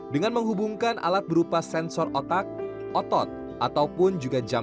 dengan menghubungkan alat berupa sensor otak otot ataupun juga jantung